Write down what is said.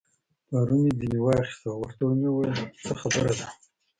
پارو مې ځینې واخیست او ورته مې وویل: څه خبره ده؟